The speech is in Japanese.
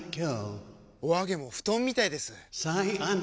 お揚げも布団みたいです！